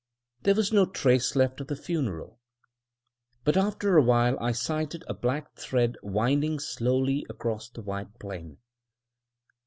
There was no trace left of the funeral; but after a while I sighted a black thread winding slowly across the white plain.